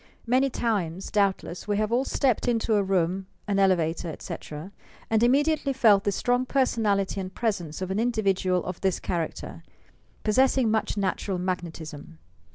Many times, doubtless, we have all stepped into a room, an elevator, etc., and immediately felt the strong personality and presence of an individual of this character, possessing much natural magnetism.